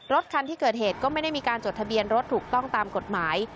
รถคันที่เกิดเหตุก็ไม่ได้มีการจดทะเบียนรถถูกต้องตามกฎหมาย